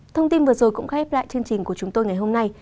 thông tin vừa rồi cũng khai ép lại chương trình của chúng tôi ngày hôm nay